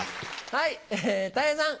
はいたい平さん。